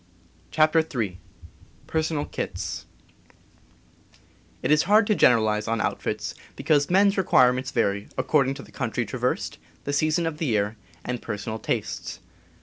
CHAPTER III PERSONAL KITS ¥T is hard to generalize on outfits, because men's re ■^ quirements vary, according to the country traversed, the season of the year, and personal tastes.